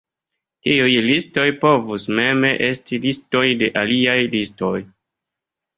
Tiuj listoj povus mem esti listoj de aliaj listoj.